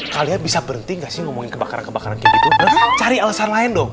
kalian bisa berhenti ngomongin kebakaran kebakaran cari alasan lain dong